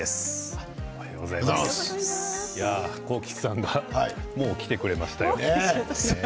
幸吉さんがもう来てくれましたよ。